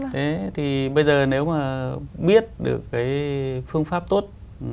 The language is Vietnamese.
thế thì bây giờ nếu mà biết được cái phương pháp tốt